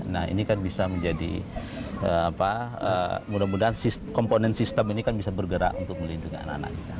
nah ini kan bisa menjadi mudah mudahan komponen sistem ini kan bisa bergerak untuk melindungi anak anak kita